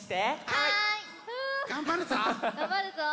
はい！